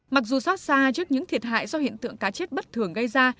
mặc dù xót xa trước những thiệt hại do hiện tượng cá chết bất thường gây ra